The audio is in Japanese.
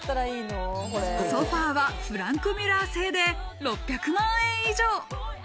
ソファはフランクミュラー製で６００万円以上。